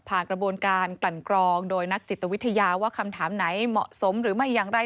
กระบวนการกลั่นกรองโดยนักจิตวิทยาว่าคำถามไหนเหมาะสมหรือไม่อย่างไร